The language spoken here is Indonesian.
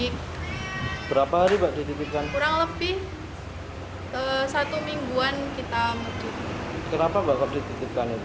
kenapa bakal dititipkan